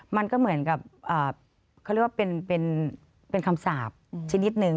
มันก็เหมือนกับเขาเรียกว่าเป็นคำสาปชนิดนึง